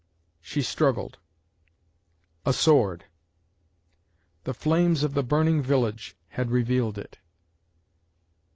SHE struggled A SWORD THE flames of the burning village had revealed it.